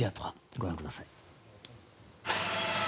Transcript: ご覧ください。